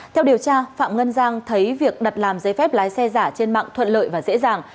theo điều tra phạm ngân giang thấy việc đặt làm giấy phép lái xe giả trên mạng thuận lợi và dễ dàng